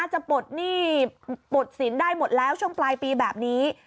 ปลดหนี้ปลดสินได้หมดแล้วช่วงปลายปีแบบนี้